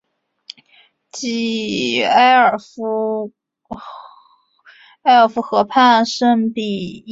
埃尔夫河畔圣皮耶尔。